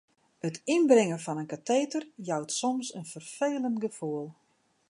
It ynbringen fan it kateter jout soms in ferfelend gefoel.